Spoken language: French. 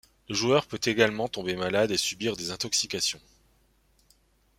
Le joueur peut également tomber malade et subir des intoxications.